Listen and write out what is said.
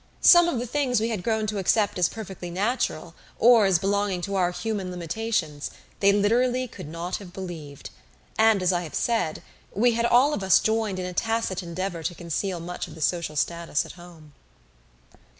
Some of the things we had grown to accept as perfectly natural, or as belonging to our human limitations, they literally could not have believed; and, as I have said, we had all of us joined in a tacit endeavor to conceal much of the social status at home.